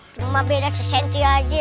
cuma beda sesenti aja